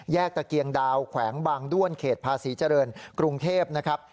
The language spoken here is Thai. ตะเกียงดาวแขวงบางด้วนเขตภาษีเจริญกรุงเทพนะครับ